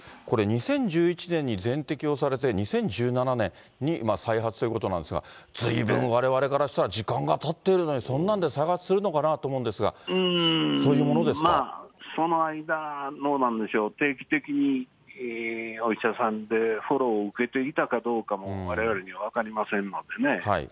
これ、２０１１年に全摘をされて、２０１７年に再発ということなんですが、ずいぶんわれわれからしたら、時間がたってるのにそんなんで再発するのかなと思うんですが、そまあ、その間、どうなんでしょう、定期的にお医者さんでフォローを受けていたかどうかも、われわれには分かりませんのでね。